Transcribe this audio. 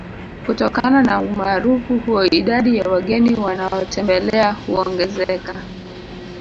Kutokana na Umaarufu huo idadi ya wageni wanaotembelea huongezeka